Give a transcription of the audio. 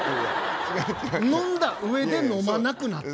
飲んだうえで飲まなくなって。